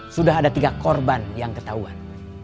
sudah ada tiga korban yang ketahuan